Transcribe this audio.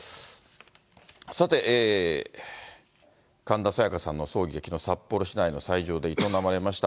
さて、神田沙也加さんの葬儀がきのう、札幌市内の斎場で営まれました。